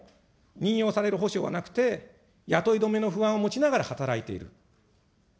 現職が公募に応じても任用される保証はなくて、雇い止めの不安を持ちながら働いている。